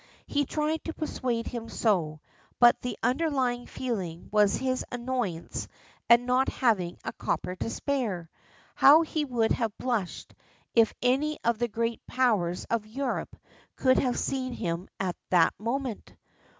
He tried to persuade himself so, but the underlying feeling was his annoyance at not having a copper to spare. How he would have blushed if any of the Great Powers of Europe could have seen him at that moment!